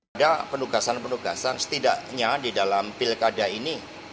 ada penugasan penugasan setidaknya di dalam pilkada ini